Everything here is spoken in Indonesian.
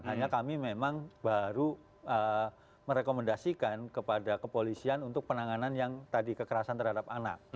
hanya kami memang baru merekomendasikan kepada kepolisian untuk penanganan yang tadi kekerasan terhadap anak